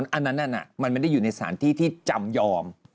อันนั้นมันไม่ได้อยู่ในสถานที่ที่จำยอม